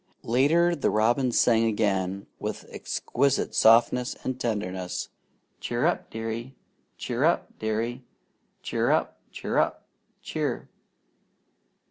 Later the robin sang again with exquisite softness and tenderness: "Cheer up, Dearie! Cheer up, Dearie! Cheer up! Cheer up! Cheer!"